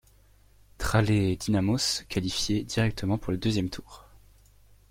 Tralee Dynamos qualifié directement pour le deuxième tour.